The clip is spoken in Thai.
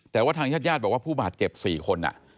แต่ว่าทางญาติญาติบอกว่าผู้บาดเจ็บ๔คน